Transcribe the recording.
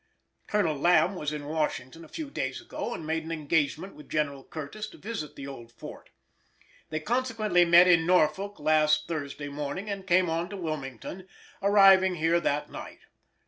Colonel Lamb was in Washington a few days ago, and made an engagement with General Curtis to visit the old fort. They consequently met in Norfolk last Thursday morning and came on to Wilmington, arriving here that night.